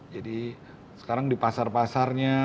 jadi sekarang di pasar pasarnya